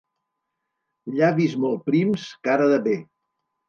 Llavis molt prims, cara de bé.